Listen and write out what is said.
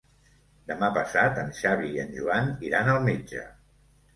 Demà passat en Xavi i en Joan iran al metge.